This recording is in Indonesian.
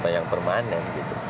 yang permanen gitu